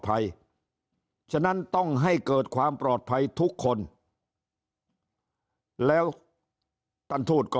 ฉะนั้นต้องให้เกิดความปลอดภัยทุกคนแล้วท่านทูตก็